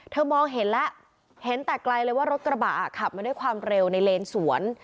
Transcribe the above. มองเห็นแล้วเห็นแต่ไกลเลยว่ารถกระบะขับมาด้วยความเร็วในเลนสวน